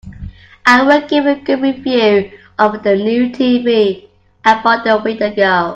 I would give a good review of the new TV I bought a week ago.